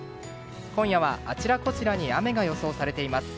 今夜はあちらこちらに雨が予想されています。